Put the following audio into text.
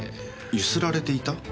ゆすられていた？